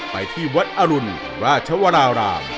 ไปที่วัดอรุณราชวราราม